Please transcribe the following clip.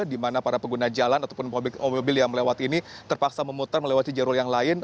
di mana para pengguna jalan ataupun mobil yang melewati ini terpaksa memutar melewati jalur yang lain